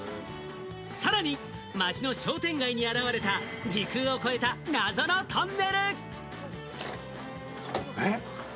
さらに町の商店街に現れた、時空を超えた謎のトンネル。